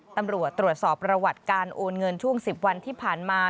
ตำรวจตรวจสอบประวัติการโอนเงินช่วง๑๐วันที่ผ่านมา